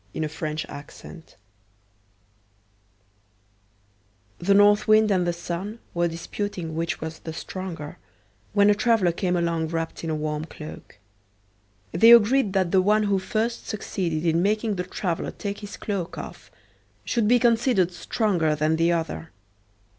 Orthographic version The North Wind and the Sun were disputing which was the stronger, when a traveler came along wrapped in a warm cloak. They agreed that the one who first succeeded in making the traveler take his cloak off should be considered stronger than the other.